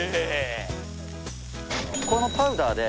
このパウダーで。